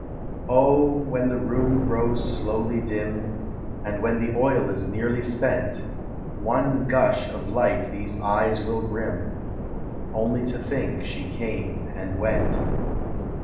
Oh, when the room grows slowly dim, And when the oil is nearly spent, One gush of light these eyes will brim, Only to think she came and went.